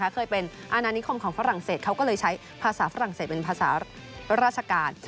เคยเป็นอาณานิคมของฝรั่งเศสเขาก็เลยใช้ภาษาฝรั่งเศสเป็นภาษาราชการ